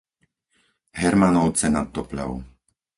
Hermanovce nad Topľou